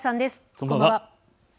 こんばんは。